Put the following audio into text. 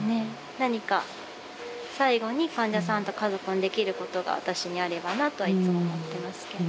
何か最後に患者さんと家族にできることが私にあればなとはいつも思ってますけど。